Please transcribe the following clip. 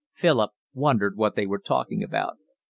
Philip wondered what they were talking about.